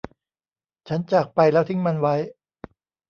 ฉันจากไปแล้วทิ้งมันไว้